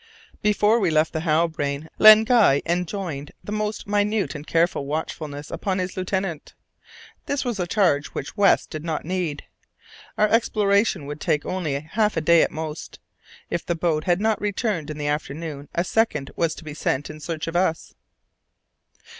Before we left the Halbrane Len Guy enjoined the most minute and careful watchfulness upon his lieutenant. This was a charge which West did not need. Our exploration would take only half a day at most. If the boat had not returned in the afternoon a second was to be sent in search of us.